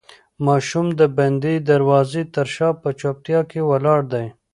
ماشوم د بندې دروازې تر شا په چوپتیا کې ولاړ دی.